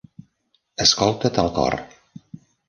Escolta't el cor.